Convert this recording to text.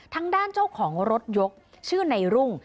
ทางด้านเจ้าของรถยกชื่อในรุ่ง